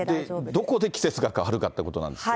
どこで季節が変わるかってことなんですけど。